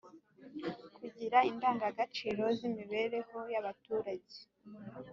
Kugira indangagaciro z’ imibereho y’ abaturage